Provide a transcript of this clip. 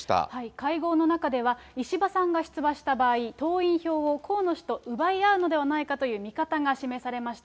会合の中では、石破さんが出馬した場合、党員票を河野氏と奪い合うのではないかという見方が示されました。